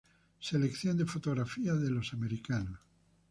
Selección de fotografías de Los americanos